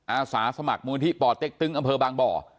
อาสาสมัครมูลที่ป่อเต็กตึงอำเภอบางบ่อ